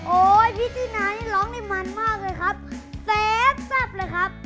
โอ๊ยพี่ตีนานี่ร้องได้มันมากเลยครับ